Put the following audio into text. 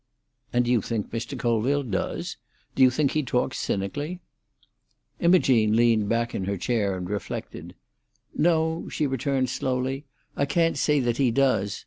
"And do you think Mr. Colville does? Do you think he talks cynically?" Imogene leaned back in her chair and reflected. "No," she returned slowly, "I can't say that he does.